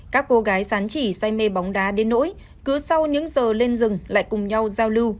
các cô gái sán chỉ say mê bóng đá đến nỗi cứ sau những giờ lên rừng lại cùng nhau giao lưu